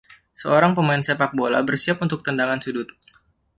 Seorang pemain sepak bola bersiap untuk tendangan sudut.